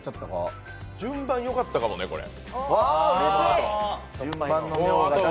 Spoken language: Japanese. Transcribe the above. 順番よかったかもね、これ。